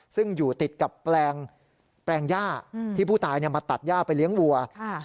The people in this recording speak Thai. ซึ่งอยู่ติดกับแปลงย่าที่ผู้ตายมาตัดย่าไปเลี้ยงวัว